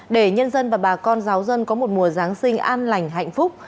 để nhân dân và bà con giáo dân có một mùa giáng sinh an lành hạnh phúc